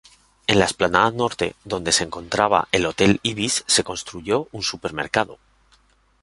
En la explanada norte, donde se encontraba el Hotel Ibis, se construyó un supermercado.